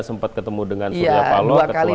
sempat ketemu dengan surya paloh ketua nasden ya dua kali